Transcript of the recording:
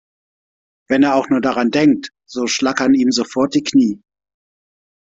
Wenn er auch nur daran denkt, so schlackern ihm sofort die Knie.